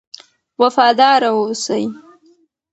وفادار اوسئ.